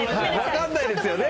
・分かんないですよね。